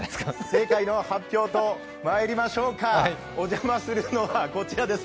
正解の発表とまいりましょうか、お邪魔するのはこちらです。